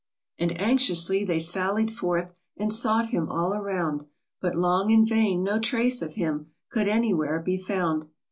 And anxiously they sallied forth, And sought him all around ; But long in vain — no trace of him Could anywhere be found.